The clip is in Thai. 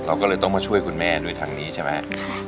เราก็เลยต้องมาช่วยคุณแม่ด้วยทางนี้ใช่ไหม